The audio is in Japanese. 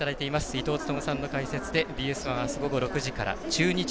伊東勤さんの解説でＢＳ１あす６時から。